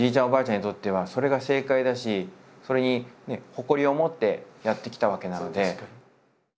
おばあちゃんにとってはそれが正解だしそれに誇りを持ってやってきたわけなので。